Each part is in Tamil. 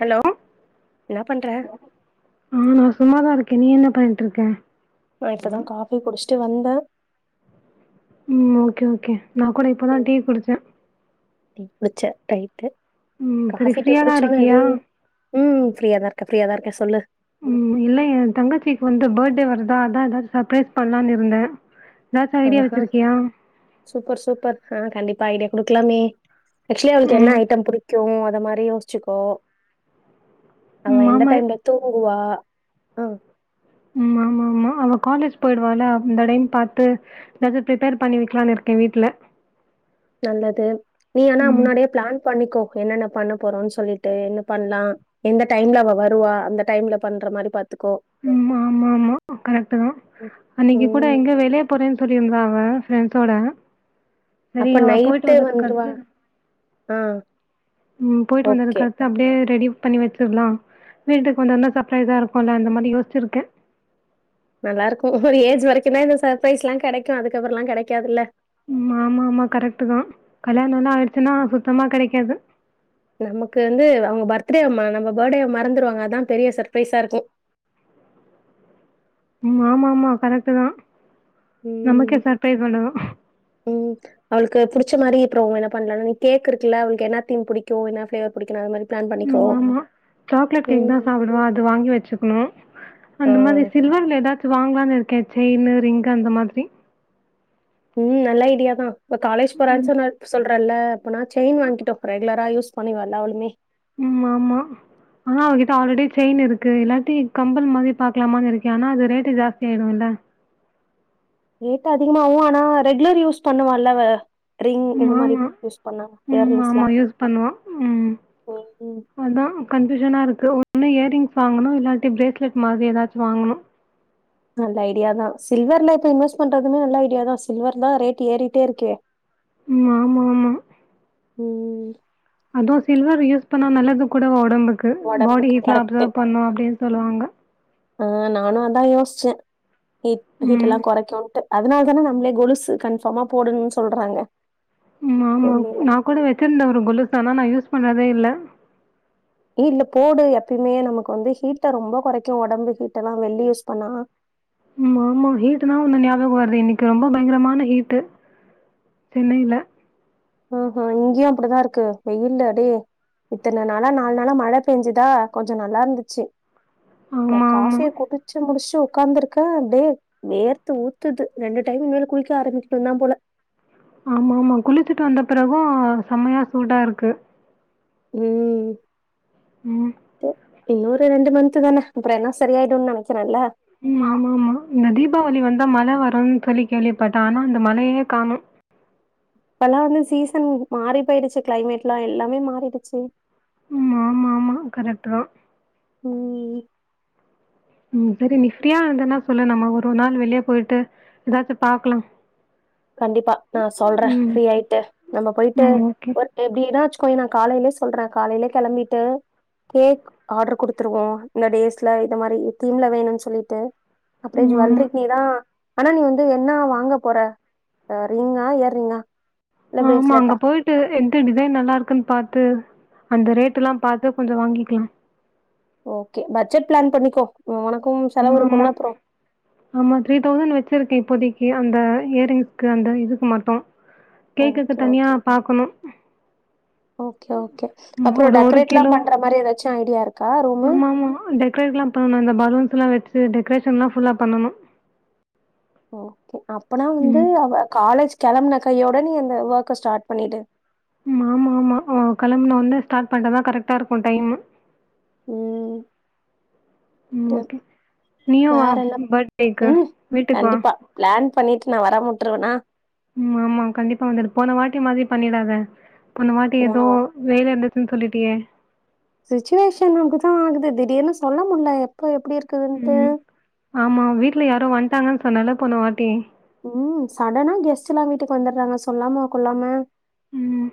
ஹலோ என்ன பண்ற [inaudible] ஆ நா சும்மாதா இருக் நீ என்ன பண்ணிட்ருக்க நா இப்பதா காபி குடிச்சிட் ட்டு வந்த ம் ஓகே ஓகே நா கூட இப்பதா ம், டீ குடிச்ச [unintelligible] ம் செரி காஃபி டீ ஃப்ரீயாதா குடிச்சோன்னு இருக்கியா அப்படியே ம் ஃப்ரீயா தா இருக்க ஃப்ரீயா தா இருக்க சொல்லு ம் இல்ல ஏந் தங்கச்சிக்கு வந்து படே வருதா அதா ஏதாது சர்ப்ரைஸ் பண்லானு இருந்த அ ஹ சூப்பர் சூப்பர் ஆ கண்டிப் ஃபை டே குடுக்லாமே ஆக்சுலி அவளுக்கு ம் என்ன ஐட்டம் புடிக் கு அத மாரி யோச்சிக்கோ அவ ம் எந்த ஆமா டைம்ல தூங்குவா ஆ ம் ஆமா ஆமா அவ காலேஜ் போய்டுவாள அந்த டைம் பாத்து எதாது ப்ரிப்பேர் பண்ணி வக்கலானு இருக்கே வீட்ல நல்லது நீ ஆனா ம் முன்னாடியே பிளான் பண்ணிக்கோ என்னென்ன பண்ண போறோன் சொல்லிட்டு என்ன பண்லா எந்த டைம்ல அவ வருவா அந்த டைம்ல பண்ற மாரி பாத் ம் ஆமா ஆமா கரெக்ட் தா ம் அன்னைக்கு கூட ம். எங்க வெளிய போறேன் சொல்லிருந்தா வ ஃப்ரெண்ட்சோட சரி அப்ப அவ போயிட்டு நைட்டு வந்துருவா வந்ததுக்கடுத்து ஆ ம் போயிட்டு ஓகே வந்ததக்கத்து அப்டே ரெடி பண்ணி வச்சிட்லா வீட்டுக்கு வந்தோன்னே சர்பரைஸாருக்குல அந்த மாரி யோசிச்சிருக்கே நல்லாருக்கு ஒரு ஏஜ் வரைக்கு தா இந்த சர்ப்ரைஸ்லா கெடைக்கு அதுக்கப்றலா கெடைக்காதுல்ல ம் ஆமா ஆமா கரெக்ட்டு தா கல்யாணலா ஆயிடுச்சுன்னா சுத்தமா கெடைக்காது நமக்கு வந்து அவங்க பர்த்டே ம நம்ம படே மறந்துருவாங்க அதா பெரிய சர்பிரரைஸாருக்கு ம் ஆமா ஆமா கரெக்ட்டு தா நமக்கே ம். சர்ப்ரைஸ் வந்துரு ச்சமாரி அப்ரோ என்ன பண்லான் கேக் இருக்குல அவளுக்கு என்ன தீம் புடிக்கு என்ன ஃப்ளேவர் புடிக்குனு அதமாரி ம் ஆமா சாக்லேட் கேக் தா சாப்டுவா அது வாங்கி வச்சுக்ணு ஆ. அந்த மாரி சில்வர்ல ஏதாச் வாங்லான் இருக்கே செயினு ரிங்கு அந்த மாதிரி ம் நல்ல ஐடியா தா இப்ப காலேஜ் போறா சொன்னாரு சொல் ப்றன்ன இப்ப நா செயின் வாங்கிட்டோ ரெகுலரா யூஸ் பண்ணி வந்தாவுலுமே ம் ஆமா ஆனா அவகிட்ட ஆல்ரெடி செயின் இருக்கு இல்லாட்டி கம்பல் மாரி பாக்லாமானு இருக்கே ஆனா அது ரேட்டு ஜாஸ்தி ஆயிடு இல்ல ரேட் அதிகமாவு ஆனா ரெகுலர் யூஸ் பண்ணுவால்ல அவ ரிங் இந்த மாரி ஆமா. யூஸ் பண்ணா ம். இயரிங்ஸ்லா ஆமா. யூஸ் பண்ணுவான். ம் ம் டிசைனாருக்கு ஒன்னு இயர்ரிங்ஸ் வாங்குணு இல்லாட்டி பிரேஸ்லெட் மாரி எதாச்சு வாங்குணு நல்ல ஐடியா தா சில்வர்ல இப்ப இன்வெஸ் பண்றதுமே நல்ல ஐடியா தா சில்வர் தா ரேட் ஏறிட்டேருக்கே ம் ஆமா ஆமா ம் டு சில்வர் யூஸ் பண்ணா நல்லது கூட ஒடம் டம்புக்கு பாடி உடம்புக்கு கீட்லா அப்சர்வ் பண்ணு அப்டின் சொல்லுவாங்க ஆ நானு அதா யோஸ்ச்சே ஹீட் ம். ஹீட்டெல்லா கொறைக்குன்ட்டு அதனால் தானே நம்மளே கொலுசு கன்ஃபார்மா போடணுன் சொல்றாங்க ஆமா ஆமா வெள்ளியில நாங்கூட வெச்சிருந்த ஒரு கொலுசு ஆனா நா யூஸ் பண்ணதே இல்ல ஏ இல்ல போடு எப்பயுமே நமக்கு வந்து ஹீட்ட ரொம்ப கொறைக்கு ஒடம்பு ஹீட்டெலா வெள்ளி யூஸ் பண்ணா ஆமா ஆமா ஹீட்டுனா ஒன்னு ஞாபக வருது இன்னைக்கு ரொம்ப பயங்கரமான ஹீட்டு் சென்னைல ஆ ஹ இங்கயு அப்படிதா இருக்கு வெயிலு அடே இத்தன நாளா நாலு நாளா மழ பேஞ்சுதா கொஞ்ச நல்லா இருந்துச்சு இந்த ஆமா, ஆமா. காஃபிய குடிச்சு முடிச்ட்டு உக் க்காந்துருக்கே அப்டியே வேர்த்து ஊத்துது ரெண்டு டைம் இனிமேல் குளிக்க ஆரம்பிக்கணுந்தா போல ஆமாமா குளிச்சுட்டு வந்த பிறகு செமையா சூடா இருக்கு ம் ம் இன்னோரு ரண்டு மன்த் தான அப்பற எல்லா சரியாயிடுன் நெனைக்கிற இல்ல ம் ஆமாமா இந்த தீபாவளி வந்தா மழ வருன் சொல்லி கேள்விப்பட்டே ஆனா அந்த மழையே காணோ இப்பெலா வந்து சீசன் மாறி போயிடுச்சு கிளைமேட்லா எல்லாமே மாறிடுச்சு ம் ஆமா ஆமா கரெக்ட்டுதா ம் ம் சரி நீ ஃப்ரியா இருந்தனா சொல்லு நம்ம ஒரு நாள் வெளிய போய்ட்டு எதாச்சு பாக்லா கண்டிப்பா நா சொல்ற ஃப்ரீ ஆயிட்டு நம்ம போயிட்டு ம் ஓகே. ஒர்க் எப்டின்னா சு கோ நா காலைலயே சொல்ற காலைலயே கேளம்பிட்டு கேக் ஆர்டர் குடுத்துருவோ இந்த டேஸ்ல இந்த மாரி தீம்ல வேணுன் சொல்லிட்டு அப்டியே ம் ஆமா. ஜுவல்ரிக் நீதா ஆனா நீ வந்து என்ன வாங்க போற எ ரிங்கா இயரிங்கா ஆமா அங்க போய்ட்டு எந்த டிசைன் நல்லாருக்குன்னு பாத்து அந்த ரேட்டெல்லா பாத்து கொஞ்ச வாங்கிக்கலா ஓகே பட்ஜெட் பிளான் பண்ணிக்கோ உனக்கும் செலவு ஆமாமா இருக்குல்ல அப்புறோ ஆமா த்ரீ தௌசண் வெச்சிருக்கே இப்போதைக்கு அந்த இயரிங்ஸ்க்கு அந்த இதுக்கு மட்டு கேக்குக்கு ஓகே தனியா ஓகே பாக்கணு ஓகே ஓகே ம் அப்றோ டெக்கரேட்லா பண்ற மாரி எதாச்சி ஐடியா இருக் ஆமாமா டெக்ரேட்லா பண்ணனு இந்த பலூன்ஸ்லா வெச் சு டெக்ரேஷன்லா ஃபுல்லா பண்ணணு ஓகே அப்பனா வந்து ம் அவ காலேஜ் கெளம்புன கையோட நீ அந்த வொர்க்க ஸ்டாட் பண்ணிடு மாமாமா அவ களம்ன ஒன்ன ஸ்டாட் பண்ட்டா தா கரக்டா இருக்கு டைம்மு ம் ம் டு ஓகே நீயு வா வேற என்ன பட்டேக்கு வீட்டுக் வா பண்ணிட் நா வராம் உட்ருவனா ம்மாமா கண்டிப்பா வந்துடு போன வாட்டி மாதி பண்ணிடாதே போன வாட்டி ஏதோ வேலருந்து துன் சொல்லிட்டியே சிச்சுவேஷன் நமக்குதா ஆகுது திடீர்னு சொல்ல முட்லே ப எப்டி இருக்குதுன்ட்டு ம் ஆமா வீட்ல யாரோ வன்ட்டாங்கன் சொன்னேல்ல போனவாட்டி ம் சடனா கெஸ்ட்டுல்லா வீட்டுக்கு வந்துர்றாங்க சொல்லாம கொள்ளாம ம்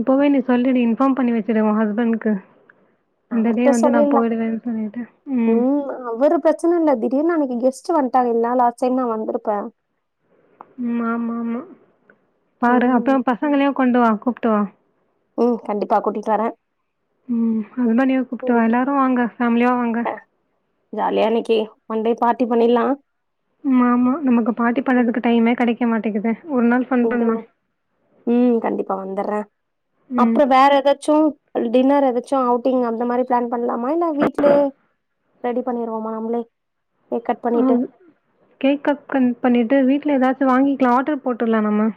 இப்பவே நீ சொல்லி நீ இன்ஃபாம் பண்ணி வச்சுரு உ ஹஸ்பண்ட்கு அவர்ட்ட சொல்லீலா ம் அவரு ப்ரச்னல்ல திடீர்னு அன்னிக்கு கெஸ் ட்டு வன்ட்டாங்க இல்லா லாஸ்டைம் நா வந்துருப்பே ம் ஆமா ஆமா பாரு ம் அப்றோ பசங்களயூ கொண்டு வா கூப்ட்டு வா ம் கண்டிப்பா கூட்டிட்டு வரே ம் அதுதா நீயூ கூப்ட்டுவா ம் எல்லாரூ வாங்க ஃபேமிலியா வாங்க ஆ ஜாலியா இன்னிக்கு ஒன் டே பார்ட்டி பண்ணில்லா ம்மாமா நமக்கு பார்ட்டி பண்றதுக்கு டைமே கெடைக் க்க மாட்டேகுது ம் கண்டிப்பா வந்துர்றே ம் அப்றோ வேறெதாச்சூ டின்னர் எதாச்சு அவுட்டிங் அந்த மாரி ப்ளான் பண்லாமா இல்ல வீட்லயே ரெடி பண்ணிருவோமா நம்ளே ஆ கேக் கட் பண் பண்ணிட்டு வீட்ல ஏதாத் து வாங்கிக்லா ஆர்டர் போட்டுலா நம்ம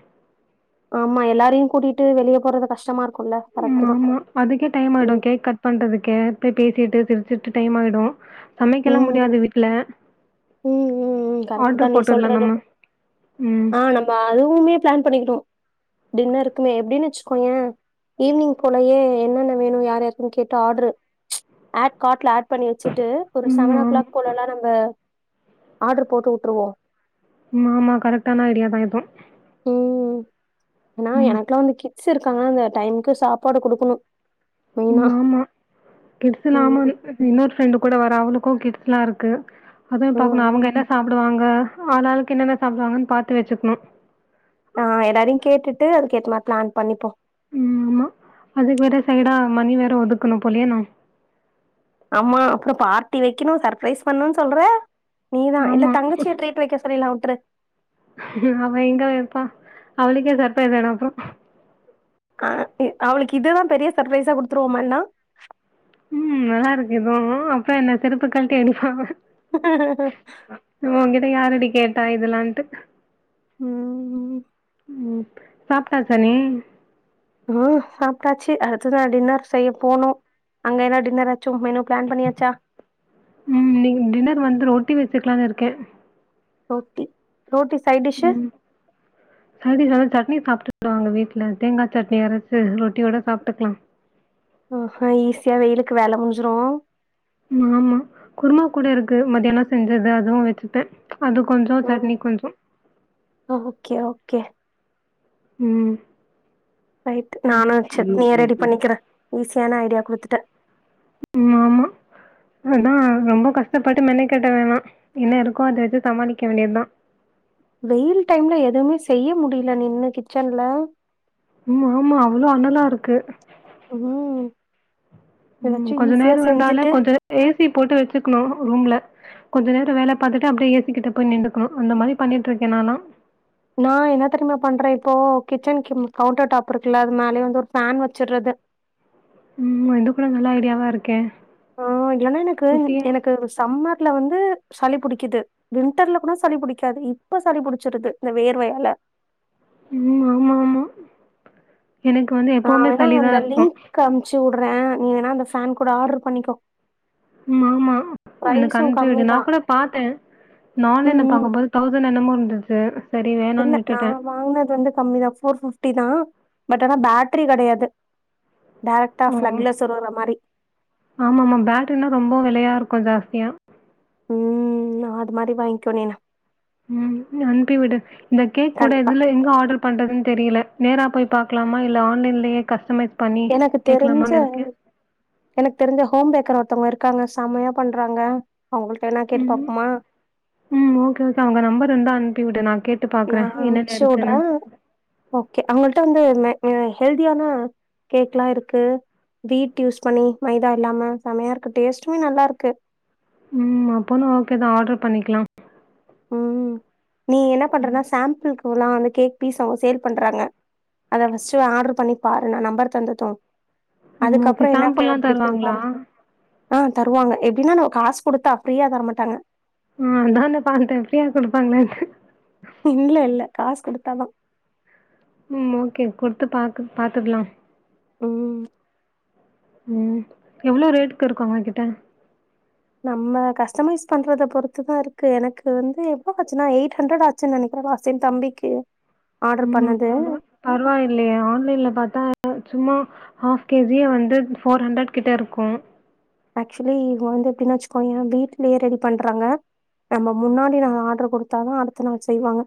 ஆமா எல்லாரயூ கூட்டிட்டு வெளிய போறது கஷ்டமாருக் ம் ஆமா அதுக்கே டைம் ஆயிடூ கேக் கட் பண்றதுக்கே பே பேசிட்டு சிர் சிர்ட்டு டைமாயிடூ ம் ம் ம் ம் கரெக்ட் தா ஆர்டர் நீ போட்டுர்லா சொல்றதூ நம்ம ம் ஆ நம்ம அதுவுமே ப்ளான் பண்ணிக்கிட்டோ டின்னருக்குமே எப்டின் வச்சுக்கோயே ஈவ்னிங் போலயே என்னென்ன வேணூ யார்யாருக்குன் கேட்டு ஆர்டரு ஆட் கார்ட்ல ஆட் பண்ணி வச்சுட்டு ஒரு ம் செவன் ஓ ஆமா கிளாக் போல எல்லாரு அங்க ஆடர் போட்டுவுட்டுருவோ ம் ஆமா கரெக்டான ஐடியா தா இதூ ம் நா எனக்குலா அன்னிக்கி ஸ் இருக்காங்கல டைம்கு சாப்பாடு குடுக்கணூ ம் ஆமா கிட்ஸ் இல்லாம ம். இன்னொரு ஃப்ரெண்டு கூட வரா அவளூ க கிட்ஸ்லா இருக்கு அதுவும் ம். பாக்கணு ம். அவங்க என்ன சாப்டுவாங்க ஆளாளுக்கு என்னென்ன சாப்டுவாங்கன்னு பாத்து வச்சுக்கணு ஆஹ் எல்லாரயு கேட்டுட்டு அதுக்கு ஏத்த மாரி பிளான் பண்ணிப்போ ம் ஆமா அதுக்கு வேற சைடா மணி வேற ஒதுக்கணு போலயே நா ஆமா அப்புறோ பார்ட்டி வைக்கணு சர்ப்ரைஸ் பண்ணு சொல்ற நீ தா இல்ல ஆமா. தங்கச்சிய ட்ரீட் வைக்க சொல்லிற்லா உட்ரு அவ எங்க வய்ப்பா அவளுக்கே சர்ப்ரைஸ் ஆயிடும் அப்புறோ அஹ் அவளுக்கு இதுதா பெரிய சர்பரைஸா குடுத்துருவோமா னா உம் நல்லா இருக்கு இதுவு அப்புற என்ன செருப்ப கலட்டி அடிப்பா உன்கிட்ட யாரடி கேட்டா இதெல்லான்ட்டு உம் உம் ம் சாப்ட்டாச்சா நீ உம் சாப்ட்டாச்சு அடுத்து நா டின்னர் செய்ய போனு அங்க என்னா டின்னராச்சு மெனு பிளான் பண்ணியாச்சா? உம் நீ டின்னர் வந்து ரோட் ட்டி வச்சுக்கலானு இருக்கே ரொட்டி உம் சைடுடிஷ் வந்து சட் னி சாப்பிட்டுக் குடுவாங்க வீட்டு்ல தேங்கா சட்னி அரச்சு ரொட்டியோட சாப்ட்டுக்கலா ஆஹா ஈஸியா வெயிலுக்கு வேல முடிஞ்சிரு ஆமா குருமா கூட இருக்கு மத்தியான செஞ்சது அதுவு வச்சுட்ட அது கொஞ்ச சட்னி ம். கொஞ்ச கே உம் ரைட் நானு சட்னியா ரெடி பண்ணிக்கிற ஈசி கேன்ன ஐடியா கொடுத்துட்ட ஆமா ஆமா அதா ரொம்ப கஷ்டப்பட்டு மென்க்கட்ட வேணா என்ன இருக்கோ அத வச்சு சமாளிக்க வேண்டியது தா வெயில் டைம்ல எதுவுமே செய்ய முடியல நின்னு கிச்சன்ல உம் ஆமா அவ்ளோ அண்ணலா இருக்கு ம் உம் ஏதாச்சு கொஞ்ச ஈஸியா நேரம் இருந்தாலே செஞ்சுட்டு கொஞ்ச ஏ சி போட்டு வச்சுக்கணு ரூம்ல கொஞ்ச நேரம் வேல பாத்துட்டு அப்படியே ஏ சிக்கிட்ட போய் நின்டுக்கனு அந்த மாதிரி பண்ணிட்டு இருக்கே நாலா நா என்ன தெரியுமா பண்றே இப்போ கிச்சன் கவுண்டர் டாப் இருக்குல்ல அது மேலயே வந்து ஒரு ஃபேன் வச்சுடுறது உம் இது கூட நல்ல ஐடியாவா இருக்கே ஆ இல்லனா எனக்கு குட்டியா எனக்கு சம்மர்ல வந் து சளி பிடிக்குது வின்டர்ல கூட சளி பிடிக்காது இப்ப சளி பிடிச்சிருது இந்த வேர்வையால ம் ஆமா ஆமா எனக்கு வந்து எப்பவுமே சளிதா இருக்கு விடுறே நீ வேனா அந்த ஃபேன் கூட ஆர்டர் பண்ணிக்கோ ம் ஆமா எனக்கு பிரைஸு கன்றி விடு கம்மி நா தா கூட பாத்தேன் நானு ம் என்ன ம் பாக்கும்போது தௌசண்ட் என்னமோ வந்தது இல்ல நா வாங்குனது வந்து கம்மிதா ஃபோர் ஃபிஃப்டி தா பட் ஆனா பேட்ரி கெடையாது டேரக்டா ம் பிளக்ல சொருவுற மாரி ஆமாம பேட்ரினா ரொம்ப விலையா இரு க்கு ஜாஸ்தியா உம் அது மாரி வாங்கோ நீனு உம் அனுப்பி விடு இந்த கேக் கூட கண்டிப்பா இதுல எங்க ஆர்டர் பண்றதுன்னு தெரியல நேரா போய் பாக்கலாமா இல்ல ஆன்லைன்லயே கஸ்டமைஸ் பண்ணி எனக்கு தெரிஞ்ச கேக்கலாமான்னு இருக்கே எனக் தெரிஞ்ச ஹோம் பேக்கர் ஒரு த்தங்க இருக்காங்க செமையா பண்றாங்க அவங்கள்ட்ட வேணா கேட்டு ம் பாப்போமா உம் ஓகே ஓகே அவுங்க நம்பர் இருந்தா அனு ப்பி விடு நா கேட்டு நா பாக்குறே என்னென்ன இருக்குன்னு அம்ச்சுவுடுறேன் ஓகே அவங்கள் ட வந்து ம அ ஹெல்தியான கேக்லாம் இருக்கு வீட் யூஸ் பண்ணி மைதா இல்லாம செமையா இருக்கு டேஸ்ட்டுமே நல்லா இருக்கு உம் அப்பன்ன ஓகே தான் ஆர்டர் பண்ணிக்கலா உம் நீ என்ன பண்றனா சாம்புள்கு இகுல்லா அந்த கேக் பீஸ் அவுங்க சேல் பண்றாங்க அத ஃபர்ஸ்ட் ஆர்டர் பண்ணி பாரு நா நம்பர் தந்ததும் ம் ஓகே சாம்புள்லா தருவாங்களா ஆஹ் தருவங்க எப்படின்னா நம்ம காசு கொடுத்தா ஃப்ரீயா தரமாட்டாங்க ஆ அதான பார்த்தே ஃப்ரீயா குடுப்பாங்களான்ட்டு இல்ல இல்ல காசு குடுத்தாதா ம் ஓகே குடுத்து பாக் பாத்துக்கலாம் உம் உம் எவ்ளோ ரேட்கு இருக்கு அவுங்க கிட்ட நம்ம கஸ்டமைஸ் பண்றத பொறுத்துதா இருக்கு எனக்கு வந்து எ [unintelligible] ஆச்சுன்னா எயிட் ஹண்டரட் ஆச்சுன்னு நினைக்கிறே லாஸ்ட் டைம் தம்பிக்கு ஆர்டர் உம் பண்ணது பர பரவாயில்லையே ஆன்லைன்ல பாத்தா சும்மா ஹாஃப் கேஜியே வந்து ஃபோர் ஹண்ட்ரட் கிட்ட இருக்கும் ஆக்சுவலி இவுங்க வந்து எப்படின்ன வச்சுக்கோயே வீடலயே ரெடி பண்றாங்க நம்ம முன்னாடி நாள் ஆர்டர் கொடுத்தாதா அடுத்த நாள் செய்வாங்க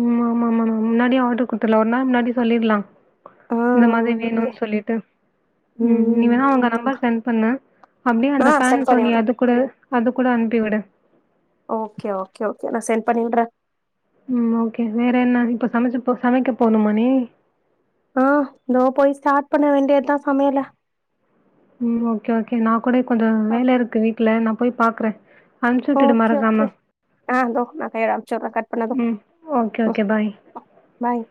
உம் ஆமா ஆமா ஆமா முன்னாடி ஆர்டர் குடுத்தர்லா ஒரு நாள் முன்னாடி சொல்லிர்லா ஆ இந்த மாதிரி ஓகே வேணுனு சொல்லிட்டு ம் உம் நீ ம் வேணா அவங்க குடுத்துர்லா நம்பர் சென்ட் பண்ணு அப்படி ஆ அந்த ஃபேன் சென்ட் பண்ணி தோனி விட்றே அது கூட அது கூட அனுப்பி விடு ஓகே ஓகே ஓகே நா சென்ட் பண்ணி விட்றே உம் ஓகே வேற என்ன இப்ப சமைச்சு சமைக்க போணுமா நீ ஆஹ் நா போய் ஸ்டார்ட் பண்ண வேண்டியதா சமையல உம் ஓகே ஓகே நா கூட கொஞ்சோ வேல இருக்கு வீட் ல நா போய் பாக்குறே ஓகே ஓகே ஆ தோ நான் போய் அம்சு வுட்றே கட் பண்ணது ம். ஓகே, ஓ ஓகே. பாய். பாய்